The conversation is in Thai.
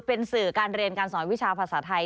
เป็นสื่อการเรียนการสอนวิชาภาษาไทย